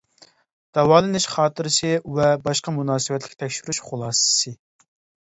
داۋالىنىش خاتىرىسى ۋە باشقا مۇناسىۋەتلىك تەكشۈرۈش خۇلاسىسى.